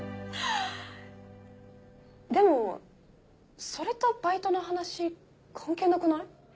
でもそれとバイトの話関係なくない？